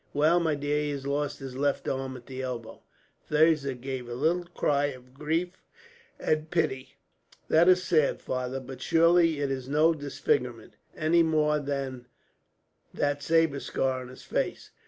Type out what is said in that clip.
"Well, my dear, he has lost his left arm, at the elbow." Thirza gave a little cry of grief and pity. "That is sad, father; but surely it is no disfigurement, any more than that sabre scar on his face.